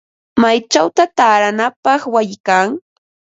¿Maychawta taaranapaq wayi kan?